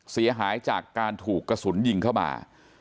เสียหายจากการถูกกระสุนยิงเข้ามา